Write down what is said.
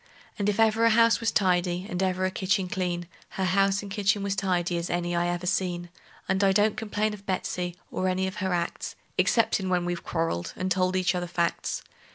And if ever a house was tidy, and ever a kitchen clean, Her house and kitchen was tidy as any I ever seen; And I don't complain of Betsey, or any of her acts, Exceptin' when we've quarreled, and told each other facts.